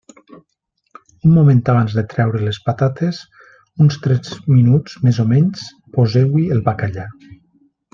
Un moment abans de treure les patates, uns tres minuts més o menys, poseu-hi el bacallà.